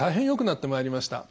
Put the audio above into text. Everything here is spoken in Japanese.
なってまいりました。